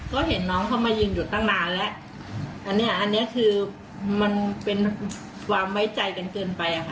ก็เห็นน้องเขามายืนอยู่ตั้งนานแล้วอันเนี้ยอันเนี้ยคือมันเป็นความไว้ใจกันเกินไปอ่ะค่ะ